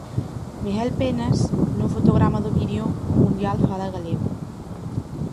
Miguel Penas, nun fotograma do vídeo 'O Mundial fala galego'.